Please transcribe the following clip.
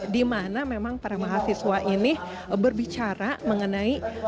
dimana memang para mahasiswa ini berbicara mengenai